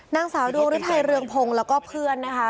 นางสาวดวงฤทัยเรืองพงศ์แล้วก็เพื่อนนะคะ